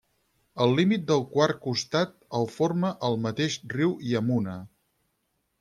El límit del quart costat el forma el mateix riu Yamuna.